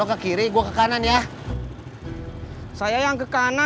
nggak bisa bu karena aku udah ada yang kasih dp